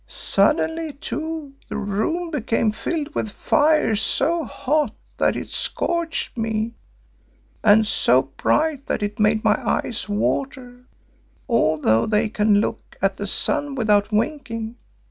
Suddenly, too, the room became filled with fire so hot that it scorched me, and so bright that it made my eyes water, although they can look at the sun without winking.